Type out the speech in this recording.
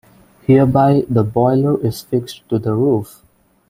Hereby the boiler is fixed to the roof.